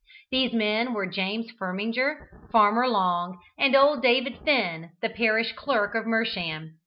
These men were James Firminger, Farmer Long, and old David Finn, the parish clerk of Mersham.